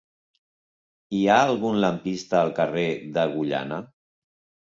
Hi ha algun lampista al carrer d'Agullana?